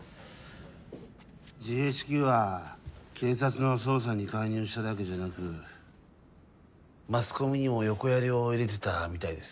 ＧＨＱは警察の捜査に介入しただけじゃなくマスコミにも横やりを入れてたみたいです。